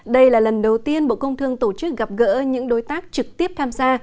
đây là lần đầu tiên bộ công thương tổ chức gặp gỡ những đối tác trực tiếp tham gia